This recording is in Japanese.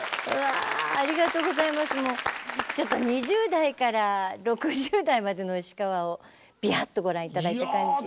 ２０代から６０代までの石川をビヤッとご覧頂いた感じ。